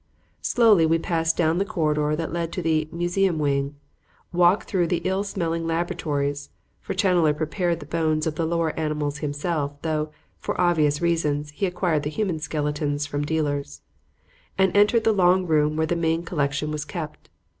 Slowly we passed down the corridor that led to the "museum wing," walked through the ill smelling laboratories (for Challoner prepared the bones of the lower animals himself, though, for obvious reasons, he acquired the human skeletons from dealers) and entered the long room where the main collection was kept.